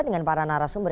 dengan para narasumber